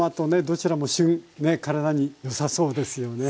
どちらも旬体によさそうですよね。